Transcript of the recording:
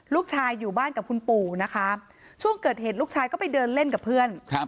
ลูกชายอยู่บ้านกับคุณปู่นะคะช่วงเกิดเหตุลูกชายก็ไปเดินเล่นกับเพื่อน